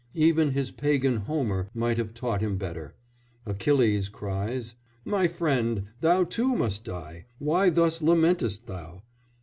Even his pagan Homer might have taught him better; Achilles cries: "My friend, thou too must die; why thus lamentest thou?